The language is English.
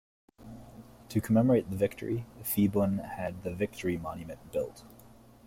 To commemorate the victory Phibun had the Victory Monument built.